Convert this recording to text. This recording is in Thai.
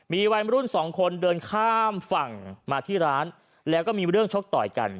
มีวัยรุ่นสองคนเดินข้ามฝั่งมาที่ร้านแล้วก็มีเรื่องชกต่อยกัน